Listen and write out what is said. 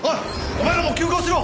お前らも急行しろ！